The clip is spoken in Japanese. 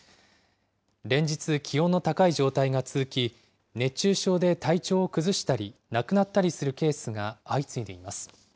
連日、気温の高い状態が続き、熱中症で体調を崩したり、亡くなったりするケースが相次いでいます。